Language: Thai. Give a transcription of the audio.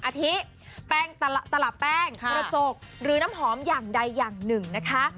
อาทิแป้งตลับแป้งกระจกหรือน้ำหอมอย่างใดอย่างหนึ่งนะคะ